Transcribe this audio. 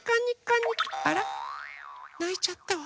ないちゃったわ。